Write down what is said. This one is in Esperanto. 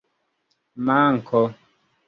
manko